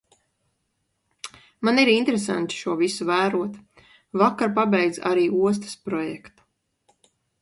Man ir interesanti šo visu vērot. Vakar pabeidzu arī ostas projektu.